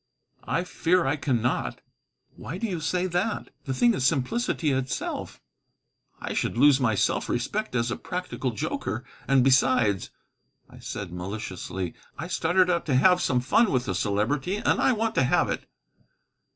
"I fear I cannot." "Why do you say that? The thing is simplicity itself." "I should lose my self respect as a practical joker. And besides," I said maliciously, "I started out to have some fun with the Celebrity, and I want to have it."